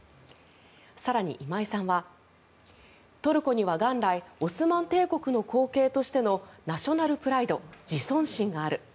更に、今井さんはトルコには元来オスマン帝国の後継としてのナショナルプライド自尊心がある。